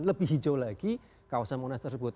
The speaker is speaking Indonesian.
lebih hijau lagi kawasan monas tersebut